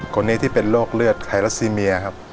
คนนี้ที่เป็นโรคเลือดไฮรัสซีเมียครับ